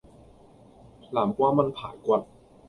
南瓜炆排骨